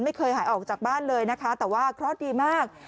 ไม่เคยหายออกจากบ้านเลยนะคะแต่ว่าเคราะห์ดีมาก